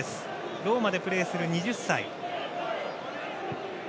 ローマでプレーする２０歳。